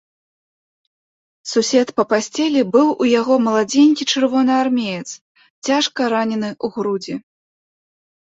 Сусед па пасцелі быў у яго маладзенькі чырвонаармеец, цяжка ранены ў грудзі.